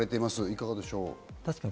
いかがでしょう？